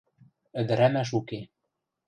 — Ӹдӹрӓмӓш уке.